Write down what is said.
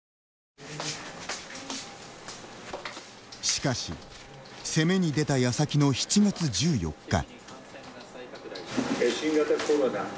しかし攻めに出た矢先の７月１４日。